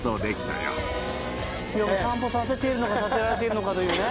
散歩させてんのかさせられてんのかというね。